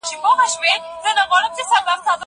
که وخت وي، سينه سپين کوم؟!